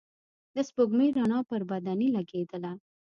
د سپوږمۍ رڼا پر بدنې لګېدله.